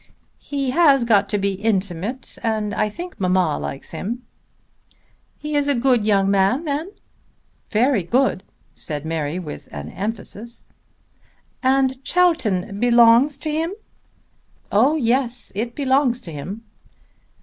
"He has got to be intimate and I think mamma likes him." "He is a good young man then?" "Very good;" said Mary with an emphasis. "And Chowton belongs to him?" "Oh yes; it belongs to him."